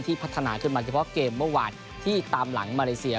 พัฒนาขึ้นมาเฉพาะเกมเมื่อวานที่ตามหลังมาเลเซีย